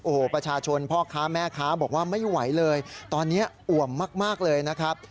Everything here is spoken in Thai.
โอ้โหประชาชนพ่อค้าแม่ค้าบอกว่าไม่ไหวเลยตอนนี้อ่วมมากเลยนะครับ